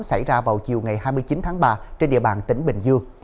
xảy ra vào chiều ngày hai mươi chín tháng ba trên địa bàn tỉnh bình dương